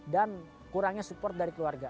dan kurangnya support dari keluarga